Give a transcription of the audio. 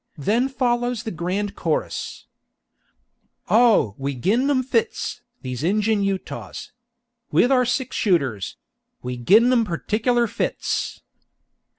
Then follows the grand chorus: "Oh! we gin them fits, The Ingen Utahs. With our six shooters We gin 'em pertickuler fits."